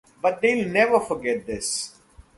But they’ll never forget this.